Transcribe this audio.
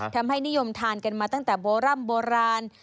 ทำให้นิยมทานกันมาตั้งแต่โบร่ำโบราณ